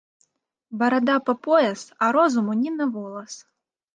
Барада па пояс, а розуму ні на волас